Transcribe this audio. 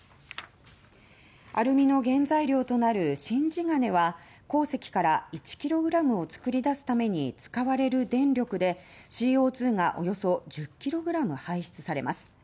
アルミの原材料となる新地金は鉱石から１ｋｇを作り出すために使われる電力でＣＯ２がおよそ１０ｋｇ排出されます。